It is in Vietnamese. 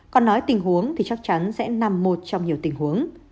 còn nói tình huống thì chắc chắn sẽ nằm một trong nhiều tình huống